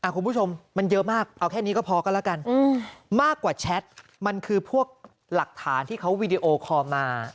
คุณผู้ชมมันเยอะมากเอาแค่นี้ก็พอก็แล้วกันมากกว่าแชทมันคือพวกหลักฐานที่เขาวีดีโอคอลมา